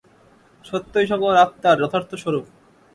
সত্যই সকল আত্মার যথার্থ স্বরূপ।